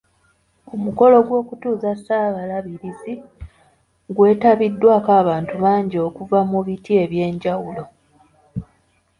Omukolo gw'okutuuza Ssaabalabirizi gwetabiddwako abantu bangi okuva mu biti eby'enjawulo.